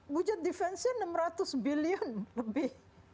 wujud defense nya enam ratus billion lebih